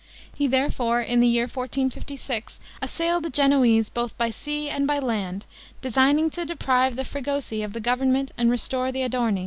He therefore, in the year 1456, assailed the Genoese, both by sea and by land, designing to deprive the Fregosi of the government and restore the Adorni.